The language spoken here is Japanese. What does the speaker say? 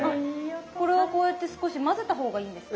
これはこうやって少し混ぜた方がいいんですか？